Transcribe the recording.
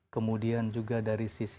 kemudian juga dari sisi